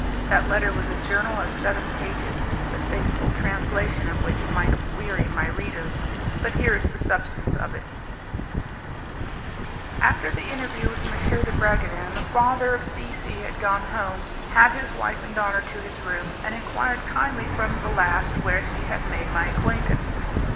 That letter was a journal of seven pages, the faithful translation of which might weary my readers, but here is the substance of it: After the interview with M. de Bragadin, the father of C C had gone home, had his wife and daughter to his room, and enquired kindly from the last where she had made my acquaintance.